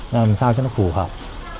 làm sao cho nó phù hợp